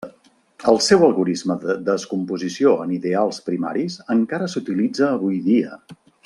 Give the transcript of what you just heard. El seu algorisme de descomposició en ideals primaris encara s'utilitza avui dia.